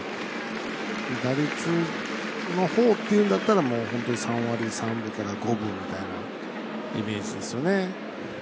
打率の方っていうんだったら本当に３割３分から５分みたいなイメージですよね。